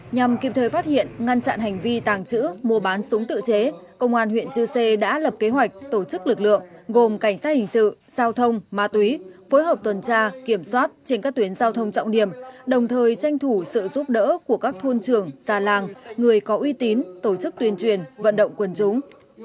nhằm kịp thời phát hiện ngăn chặn hành vi tàng trữ mua bán súng tự chế công an huyện chư sê đã lập kế hoạch tổ chức lực lượng gồm cảnh sát hình sự giao thông ma túy phối hợp tuần tra kiểm soát trên các tuyến giao thông trọng điểm đồng thời tranh thủ sự giúp đỡ của các thôn trường xa làng người có uy tín tổ chức tuyên truyền vận động quần chúng